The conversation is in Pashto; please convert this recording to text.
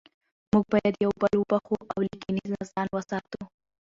موږ باید یو بل وبخښو او له کینې ځان وساتو